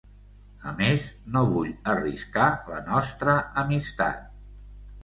A més, no vull arriscar la nostra amistat...